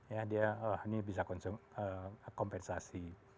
ya dia ini bisa kompensasi